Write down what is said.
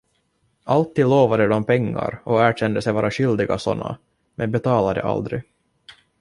Alltid lovade de pengar och erkände sig vara skyldiga sådana, men betalade aldrig.